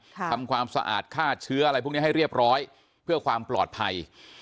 ทำความสะอาดฆ่าเชื้ออะไรพวกนี้ให้เรียบร้อยเพื่อความปลอดภัย